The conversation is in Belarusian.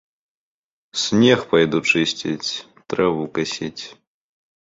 Снег пайду чысціць, траву касіць.